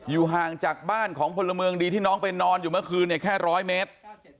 ห่างจากบ้านของพลเมืองดีที่น้องไปนอนอยู่เมื่อคืนเนี่ยแค่๑๐๐เมตร